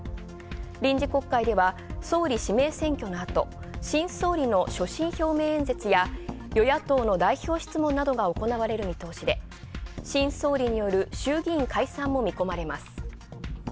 臨時国会では総理指名選挙のあと、新総理の所信表明演説や与野党の代表質問などが行われる見通しで新総理による、衆議院解散もみこまれます。